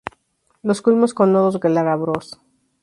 Los culmos con nodos glabros.